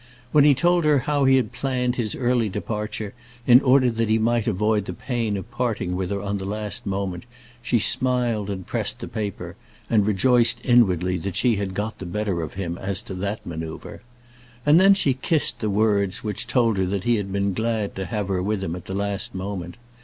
When he told her how he had planned his early departure in order that he might avoid the pain of parting with her on the last moment, she smiled and pressed the paper, and rejoiced inwardly that she had got the better of him as to that manoeuvre. And then she kissed the words which told her that he had been glad to have her with him at the last moment.